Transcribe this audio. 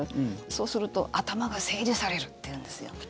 そうすると頭が整理されるっていうんですよ。